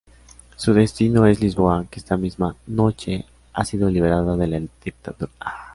Su destino es Lisboa, que esta misma noche ha sido liberada de la dictadura.